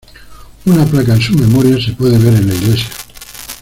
Una placa en su memoria se puede ver en la iglesia.